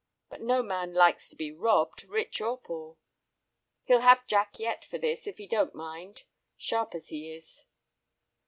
But no man likes to be robbed, rich or poor. He'll have Jack yet for this if he don't mind, sharp as he is."